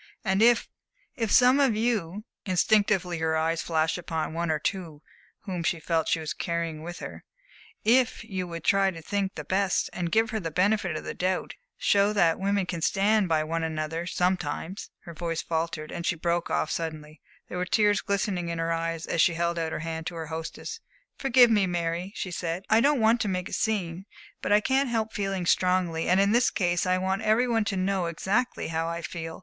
And if if some of you" instinctively her eyes fastened upon one or two whom she felt she was carrying with her "if you would try to think the best, give her the benefit of the doubt, show that women can stand by one another sometimes" Her voice faltered and she broke off suddenly; there were tears glistening in her eyes as she held out her hand to her hostess. "Forgive me, Mary," she said. "I don't want to make a scene. But I can't help feeling strongly, and in this case I want every one to know exactly how I feel."